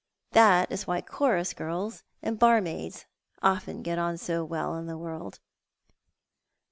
Tliat is why chorus girls and barmaids often get on so well in the world."